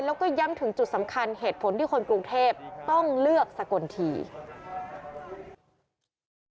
แล้วก็ย้ำถึงจุดสำคัญเหตุผลที่คนกรุงเทพต้องเลือกสกลที